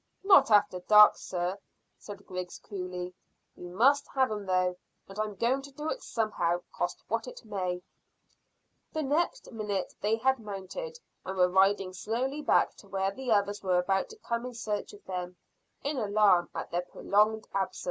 "Not after dark, sir," said Griggs coolly. "We must have 'em though, and I'm going to do it somehow, cost what it may." The next minute they had mounted and were riding slowly back to where the others were about to come in search of them, in alarm at their prolonged absence.